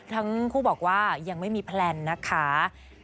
ทั้งคู่บอกว่ายังไม่มีแพลนนะคะ